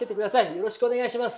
よろしくお願いします。